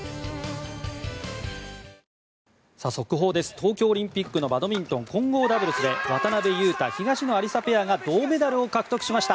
東京オリンピックのバドミントン混合ダブルスで渡辺勇大、東野有紗ペアが銅メダルを獲得しました。